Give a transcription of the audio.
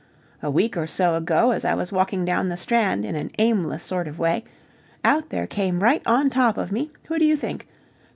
A week or so ago, as I was walking down the Strand in an aimless sort of way, out there came right on top of me who do you think?